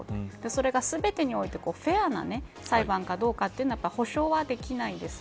それが全てにおいてフェアな裁判かどうかというのは保証はできないです。